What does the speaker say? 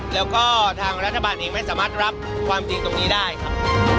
แล้วก็ทางรัฐบาลเองไม่สามารถรับความจริงตรงนี้ได้ครับ